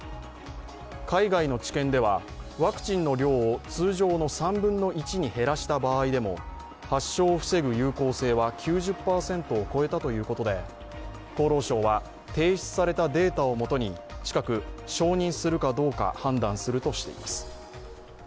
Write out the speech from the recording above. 海外の治験ではワクチンの量を通常の３分の１に減らした場合でも発症を防ぐ有効性は９０％を超えたということで厚労省は提出されたデータを基に近く承認するかどうか判断するとしています。